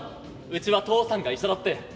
うちは父さんが医者だって。